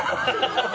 ハハハハ！